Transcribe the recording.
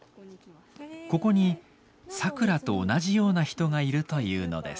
ここにさくらと同じような人がいるというのです。